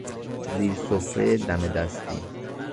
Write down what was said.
زیر سفره دم دستی